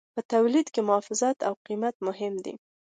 په تولید کې محافظت او قیمت مهم دي.